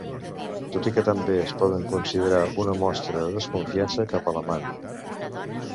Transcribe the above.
Tot i que també es poden considerar una mostra de desconfiança cap a l'amant.